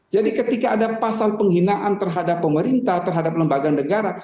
jadi ketika ada pasal penghinaan terhadap pemerintah terhadap lembaga negara